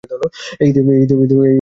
এই ঈদেও একই চিত্র।